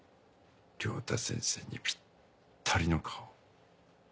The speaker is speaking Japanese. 良太先生にぴったりの科を。